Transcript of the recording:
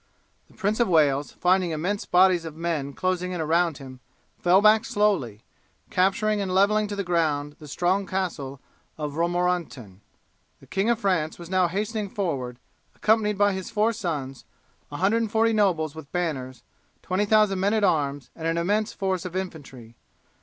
The Prince of Wales, finding immense bodies of men closing in around him, fell back slowly, capturing and levelling to the ground the strong castle of Romorentin. The King of France was now hastening forward, accompanied by his four sons, 140 nobles with banners, 20,000 men at arms, and an immense force of infantry.